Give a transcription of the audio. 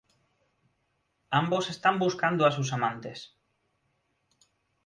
Ambos están buscando a sus amantes.